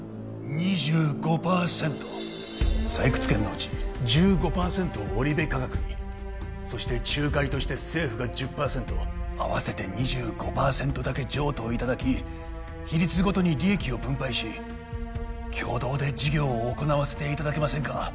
２５％採掘権のうち１５％をオリベ化学にそして仲介として政府が１０％あわせて２５％だけ譲渡いただき比率ごとに利益を分配し共同で事業を行わせていただけませんか？